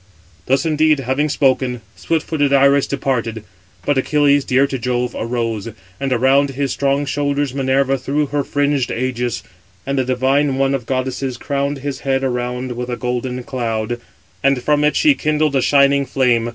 Thus indeed having spoken, swift footed Iris departed; but Achilles, dear to Jove, arose; and around his strong shoulders Minerva threw her fringed ægis. And the divine one of goddesses crowned his head around with a golden cloud, and from it she kindled a shining flame.